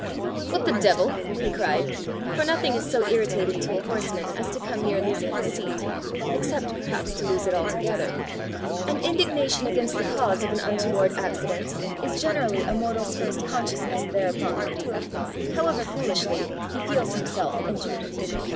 "What the devil ," he cried for nothing is so irritating to a horseman as to come near losing his seat, except perhaps to lose it altogether, and indignation against the cause of an untoward accident is generally a mortal's first consciousness thereupon: however foolishly, he feels himself injured.